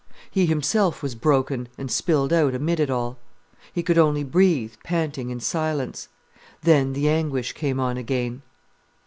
He himself was broken and spilled out amid it all. He could only breathe panting in silence. Then the anguish came on again.